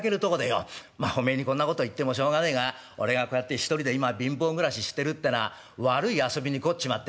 まあおめえにこんなこと言ってもしょうがねえが俺がこうやって１人で今は貧乏暮らししてるってのは悪い遊びに凝っちまってな。